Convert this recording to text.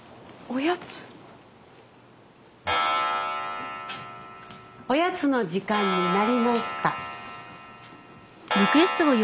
おやつの時間になりました。